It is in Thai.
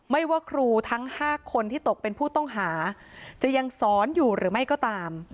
ว่าครูทั้ง๕คนที่ตกเป็นผู้ต้องหาจะยังสอนอยู่หรือไม่ก็ตาม